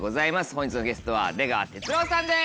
本日のゲストは出川哲朗さんです。